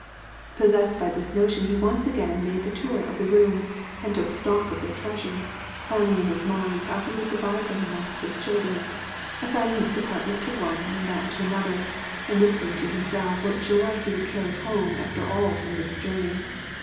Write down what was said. Possessed by this notion he once again made a tour of the rooms and took stock of their treasures, planning in his mind how he would divide them amongst his children, assigning this apartment to one and that to another, and whispering to himself what joy he would carry home after all from his journey.